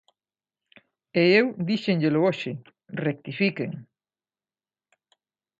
E eu díxenllelo hoxe: rectifiquen.